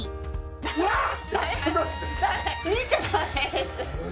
うわっ！